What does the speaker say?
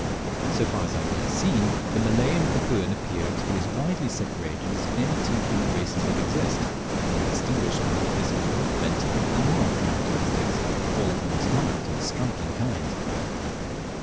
So far as I have yet seen, the Malay and Papuan appear to be as widely separated as any two human races that exist, being distinguished by physical, mental, and moral characteristics, all of the most marked and striking kind.